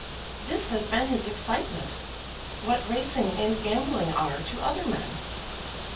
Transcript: This has been his excitement, what racing and gambling are to other men.